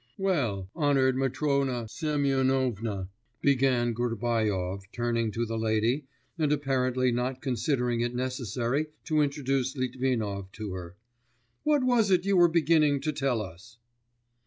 'Well, honoured Matrona Semyonovna,' began Gubaryov, turning to the lady, and apparently not considering it necessary to introduce Litvinov to her, 'what was it you were beginning to tell us?